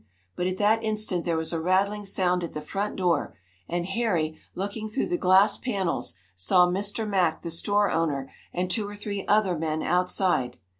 But at that instant there was a rattling sound at the front door, and Harry, looking through the glass panels, saw Mr. Mack, the store owner, and two or three other men outside.